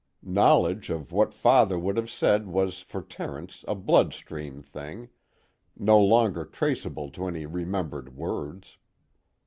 Knowledge of what Father would have said was for Terence a bloodstream thing, no longer traceable to any remembered words.